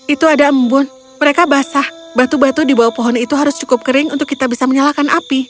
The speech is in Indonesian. itu ada embun mereka basah batu batu di bawah pohon itu harus cukup kering untuk kita bisa menyalakan api